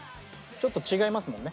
ちょっと違いますもんね。